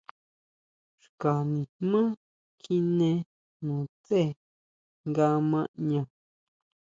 Xka nijmá kjine nutsé nga ma ʼña.